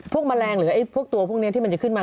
แมลงหรือพวกตัวพวกนี้ที่มันจะขึ้นมา